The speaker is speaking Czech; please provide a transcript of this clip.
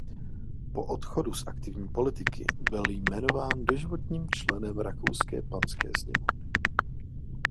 Po odchodu z aktivní politiky byl jmenován doživotním členem rakouské panské sněmovny.